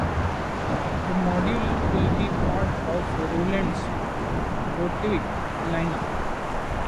The module will be part of Roland's Boutique lineup.